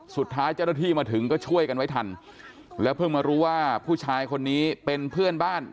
สุดท้ายเจ้าหน้าที่มาถึงก็ช่วยกันไว้ทันแล้วเพิ่งมารู้ว่าผู้ชายคนนี้เป็นเพื่อนบ้าน